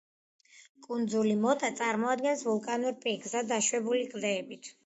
კუნძული მოტა წარმოადგენს ვულკანურ პიკს დაშვებული კლდეებით.